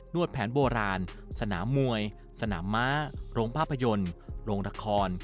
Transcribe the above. วดแผนโบราณสนามมวยสนามม้าโรงภาพยนตร์โรงละคร